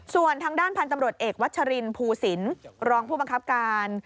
ส่วนทางด้านพันธุ์ตำรวจเอกวัชรินภูสินรองผู้บังคับการ